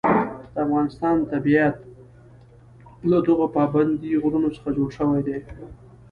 د افغانستان طبیعت له دغو پابندي غرونو څخه جوړ شوی دی.